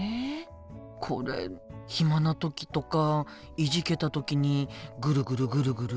これ暇な時とかいじけた時にぐるぐるぐるぐる？